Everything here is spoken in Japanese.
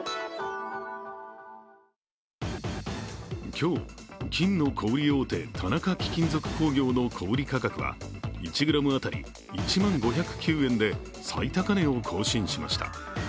今日、金の小売り大手・田中貴金属工業の小売価格は１ｇ当たり１万５０９円で最高値を更新しました。